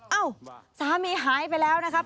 เอ้าสามีหายไปแล้วนะครับ